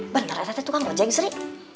bener aja tuh kang ojek sri